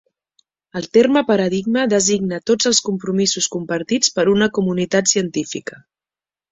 El terme 'paradigma' designa tots els compromisos compartits per una comunitat científica.